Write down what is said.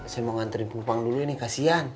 saya mau nganterin pungpang dulu ini kasian